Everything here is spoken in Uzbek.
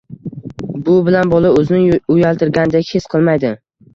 – bu bilan bola o‘zini uyaltirilgandek his qilmaydi.